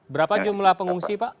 berapa jumlah pengungsi pak